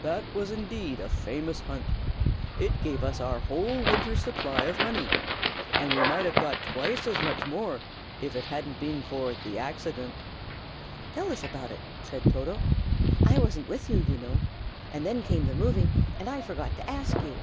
"That was, indeed, a famous hunt! It gave us our whole winter's supply of honey. And we might have got twice as much more, if it hadn't been for the accident." "Tell us about it," said Toto. "I wasn't with you, you know; and then came the moving, and I forgot to ask you."